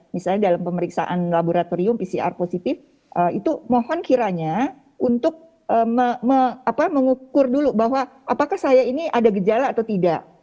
misalnya dalam pemeriksaan laboratorium pcr positif itu mohon kiranya untuk mengukur dulu bahwa apakah saya ini ada gejala atau tidak